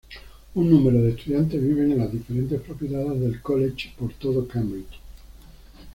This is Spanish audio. Un número de estudiantes viven en las diferentes propiedades del college por todo Cambridge.